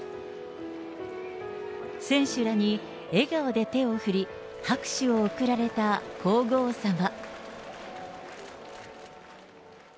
選手らに笑顔で手を振り、拍手を送られた皇后さま。